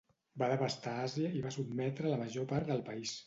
Va devastar Àsia i va sotmetre la major part del país.